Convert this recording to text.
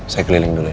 saya keliling dulu ya